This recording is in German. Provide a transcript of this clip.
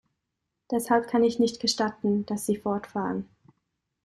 Deshalb kann ich nicht gestatten, dass Sie fortfahren.